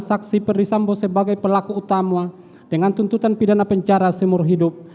saksi perdisambo sebagai pelaku utama dengan tuntutan pidana penjara seumur hidup